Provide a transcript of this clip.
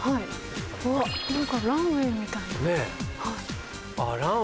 うわ何かランウェイみたいな。ねぇ。